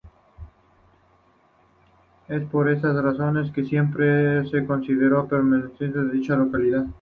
Es por estas razones que siempre se consideró perteneciente a dicha localidad.